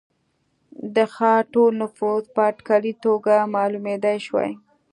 د ښار ټول نفوس په اټکلي توګه معلومېدای شوای.